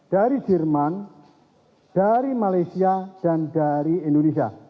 dari jerman dari malaysia dan dari indonesia